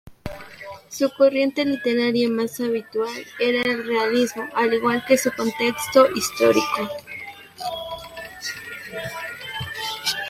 Su corriente literaria más habitual era el realismo, al igual que su contexto histórico.